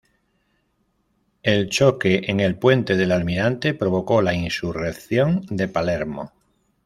El choque en el puente del Almirante provocó la insurrección de Palermo.